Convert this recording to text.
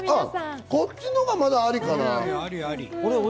こっちのほうがまだありかな。